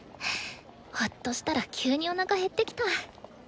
ほっとしたら急におなか減ってきた。